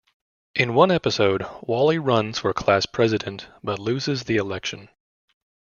In one episode, Wally runs for class president but loses the election.